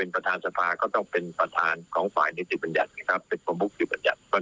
ปรัฐทางสภาก็น่าจะลงตัวได้ครับ